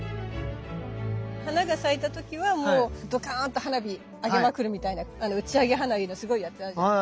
花が咲いた時はもうドカンと花火あげまくるみたいな打ち上げ花火のすごいやつあるじゃない。